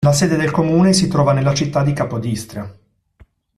La sede del comune si trova nella città di Capodistria.